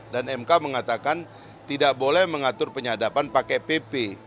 dan mk mengatakan tidak boleh mengatur penyadapan pakai pp